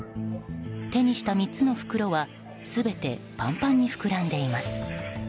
手にした３つの袋は全てパンパンに膨らんでいます。